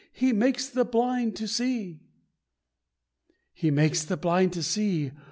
He makes the blind to see!" "He makes the blind to see!